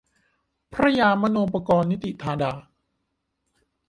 พระยามโนปกรณ์นิติธาดา